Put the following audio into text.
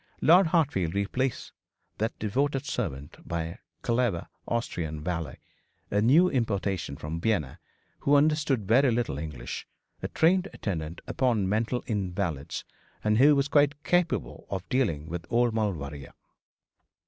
Lord Hartfield replaced that devoted servant by a clever Austrian valet, a new importation from Vienna, who understood very little English, a trained attendant upon mental invalids, and who was quite capable of dealing with old Lord Maulevrier.